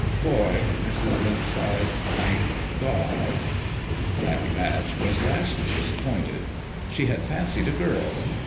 " Boy," Mrs. Limp sighed, " thank God !" Pattie Batch was vastly disappointed. She had fancied a girl.